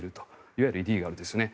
いわゆるイリーガルですよね。